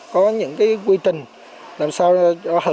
có những quy trình